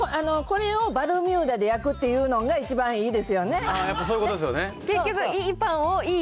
結局ね、これをバルミューダで焼くっていうのが一番いいです